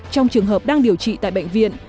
trong trường hợp đang điều trị tại bệnh viện